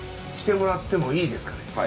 してもらってもいいですかね？